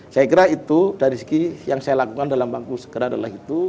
saya kira itu dari segi yang saya lakukan dalam bangku segera adalah itu